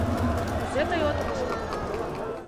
— Кузе тый от вожыл!